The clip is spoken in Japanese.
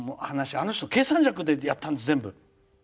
あの方、計算尺でやったんです、全部！